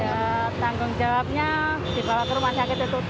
ya tanggung jawabnya dibawa ke rumah sakit itu